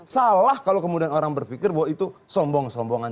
salah kalau kemudian orang berpikir bahwa itu sombong sombongan